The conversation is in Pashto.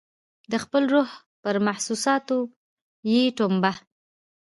د خپل روح پر محسوساتو یې ټومبه